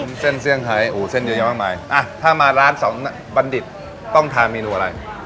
ผมเส้นเซี่ยงไฮโอ้เส้นเยอะแยะมากมายอ่ะถ้ามาร้านสองบัณฑิตต้องทานเมนูอะไร